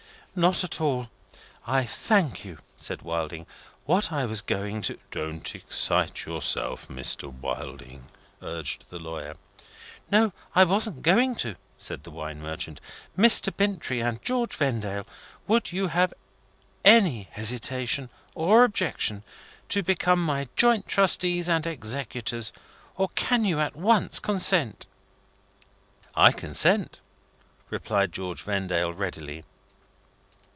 "Not at all, I thank you," said Wilding. "What was I going to " "Don't excite yourself, Mr. Wilding," urged the lawyer. "No; I wasn't going to," said the wine merchant. "Mr. Bintrey and George Vendale, would you have any hesitation or objection to become my joint trustees and executors, or can you at once consent?" "I consent," replied George Vendale, readily.